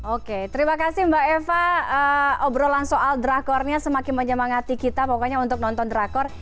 oke terima kasih mbak eva obrolan soal drakornya semakin menyemangati kita pokoknya untuk nonton drakor